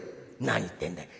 「何言ってんだい。